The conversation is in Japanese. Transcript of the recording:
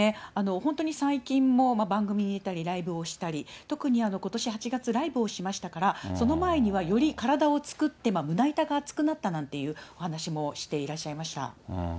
本当に最近も番組に出たり、ライブをしたり、特にことし８月、ライブをしましたから、その前にはより体を作って、胸板が厚くなったなんてお話もしていらっしゃいました。